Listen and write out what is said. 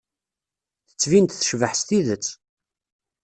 Tettbin-d tecbeḥ s tidet.